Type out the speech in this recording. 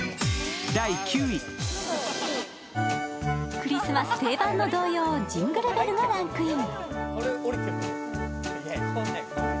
クリスマス定番の童謡、「ジングルベル」がランクイン。